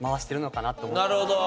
なるほど。